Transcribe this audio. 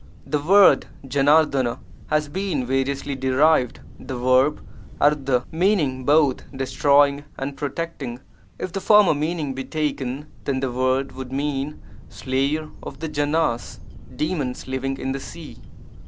The word 5RF£*I has been variously derived, the verb 3^ meaning both 'destroying' and 'protecting'. If the former meaning be taken, then the word would mean 'slayer of the Janas' (demons living in the sea.